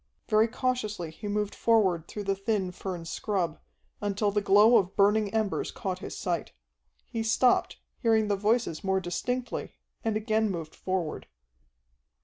Very cautiously he moved forward through the thin fern scrub, until the glow of burning embers caught his sight. He stopped, hearing the voices more distinctly, and again moved forward.